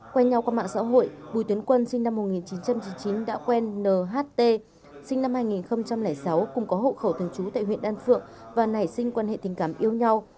quen nhau qua mạng xã hội bùi tiến quân sinh năm một nghìn chín trăm chín mươi chín đã quen nht sinh năm hai nghìn sáu cùng có hộ khẩu thường trú tại huyện đan phượng và nảy sinh quan hệ tình cảm yêu nhau